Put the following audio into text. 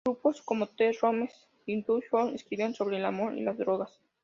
Grupos como The Ramones y Buzzcocks escribían sobre el amor y las drogas.